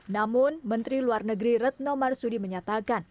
namun menteri luar negeri retno marsudi menyatakan